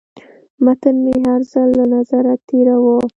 متن مې هر ځل له نظره تېراوه.